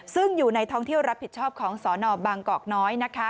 ซึ่งอยู่ในท้องเที่ยวรับผิดชอบของสนบางกอกน้อยนะคะ